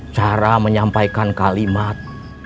cara menyampaikan kalimat